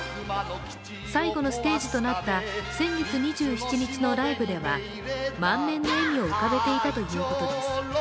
最後のステージとなった先月２７日のライブでは満面の笑みを浮かべていたということです。